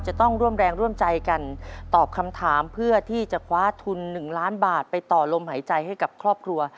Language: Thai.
จะต้องร่วมแรงร่วมใจกันตอบคำถามเพื่อที่จะคว้าทุน๑ล้านบาทไปต่อลมหายใจให้กับครอบครัว